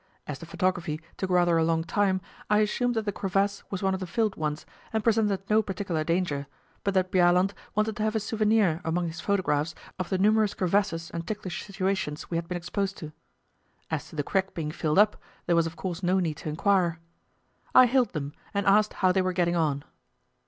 As the photography took rather a long time, I assumed that the crevasse was one of the filled ones and presented no particular danger, but that Bjaaland wanted to have a souvenir among his photographs of the numerous crevasses and ticklish situations we had been exposed to. As to the crack being filled up, there was of course no need to inquire. I hailed them, and asked how they were getting on.